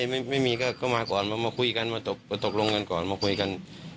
ไม่มีก็มาก่อนมาคุยกันมาตกลงกันก่อนมาคุยกัน